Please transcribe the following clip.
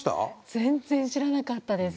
全然知らなかったです。